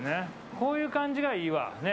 こういう感じがいいわ。